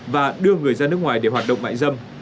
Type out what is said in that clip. và đưa người ra nước ngoài để hoạt động mại dâm